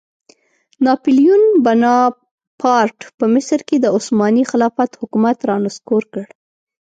ناپیلیون بناپارټ په مصر کې د عثماني خلافت حکومت رانسکور کړ.